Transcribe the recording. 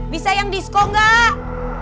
bisa yang disco gak